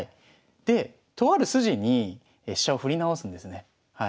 でとある筋に飛車を振り直すんですね。